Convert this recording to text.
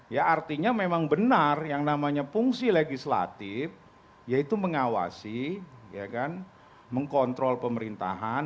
ya artinya memang benar yang namanya fungsi legislatif yaitu mengawasi mengkontrol pemerintahan